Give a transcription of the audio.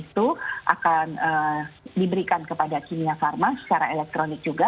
itu akan diberikan kepada kimia pharma secara elektronik juga